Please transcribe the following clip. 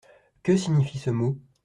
Que signifie ce mot ?